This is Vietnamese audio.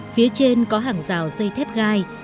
phía trên có hàng rào dây thép gai